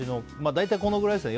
大体このくらいですね。